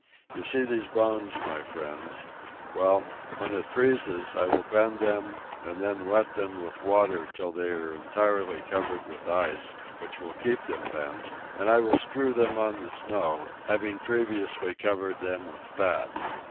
You see these bones, my friends; well, when it freezes, I will bend them, and then wet them with water till they are entirely covered with ice, which will keep them bent, and I will strew them on the snow, having previously covered them with fat.